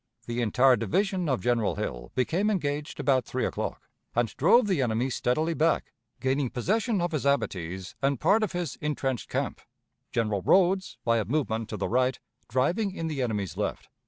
The entire division of General Hill became engaged about three o'clock, and drove the enemy steadily back, gaining possession of his abatis and part of his intrenched camp, General Rodes, by a movement to the right, driving in the enemy's left.